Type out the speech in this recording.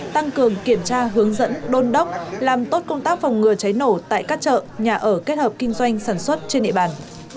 tăng cường kiểm tra hướng dẫn đôn đốc làm tốt công tác phòng ngừa cháy nổ tại các chợ nhà ở kết hợp kinh doanh sản xuất trên địa bàn